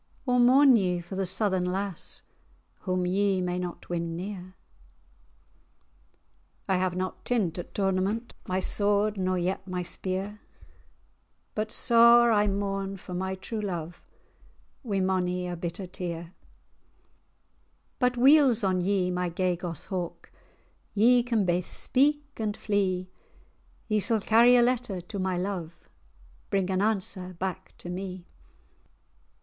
Or mourn ye for the Southern lass, Whom ye may not win near?" [#] lost "I have not tint at tournament My sword, nor yet my spear; But sair[#] I mourn for my true love, Wi' mony a bitter tear. [#] sore But weel's me on ye, my gay goss hawk, Ye can baith speak and flee; Ye sall carry a letter to my love, Bring an answer back to me."